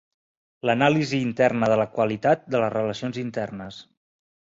L'anàlisi interna de la qualitat de les relacions internes.